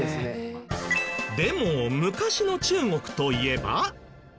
でも昔の中国といえば。